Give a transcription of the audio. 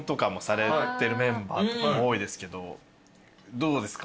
どうですか？